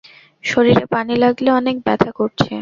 শরীরে পানি লাগলে অনেক ব্যথা করছে।